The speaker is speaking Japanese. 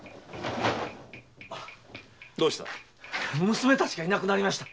娘たちがいなくなりました。